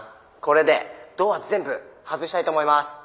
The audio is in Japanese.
これでドア全部外したいと思います。